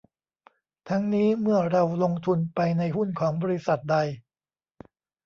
ทั้งนี้ เมื่อเราลงทุนไปในหุ้นของบริษัทใด